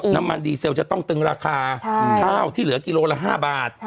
น้ำมันดีเซลจะต้องตึงราคาข้าวที่เหลือกิโลละ๕บาท